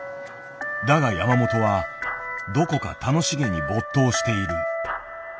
だが山本はどこか楽しげに没頭している。